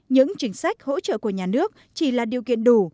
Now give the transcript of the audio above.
những chính sách hỗ trợ của nhà nước chỉ là điều kiện đủ